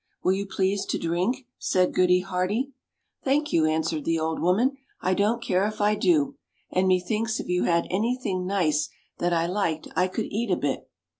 "Will you please to drink?" said Goody Hearty. "Thank you," answered the old woman, "I don't care if I do, and methinks if you had anything nice that I liked, I could eat a bit."